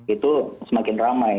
itu semakin ramai